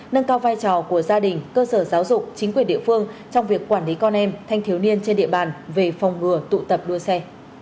nâng cao vai trò của gia đình cơ sở giáo dục chính quyền địa phương trong việc quản lý con em thanh thiếu niên trên địa bàn về phòng ngừa tụ tập đua xe